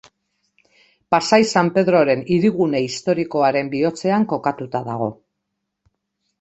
Pasai San Pedroren hirigune historikoaren bihotzean kokatuta dago.